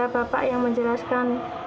bapak yang menjelaskan